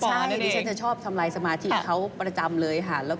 ใช่ดิฉันจะชอบทำลายสมาธิเขาประจำเลยค่ะ